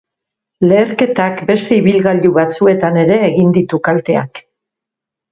Leherketak beste ibilgailu batzuetan ere egin ditu kalteak.